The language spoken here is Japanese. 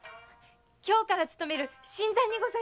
今日から勤める新参にございます。